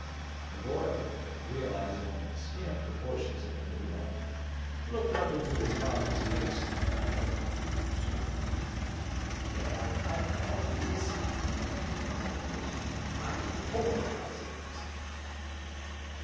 The boy, realizing the scant proportions of the meal, looked up into his father's face and irreverently observed, " Dad, I call these "— meaning the potatoes —" mighty poor bless ings."